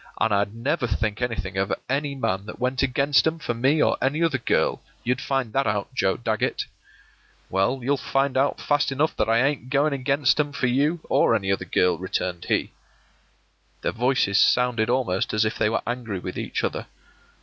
An' I'd never think anything of any man that went against 'em for me or any other girl; you'd find that out, Joe Dagget.” “Well, you'll find out fast enough that I ain't going against 'em for you or any other girl,” returned he. Their voices sounded almost as if they were angry with each other.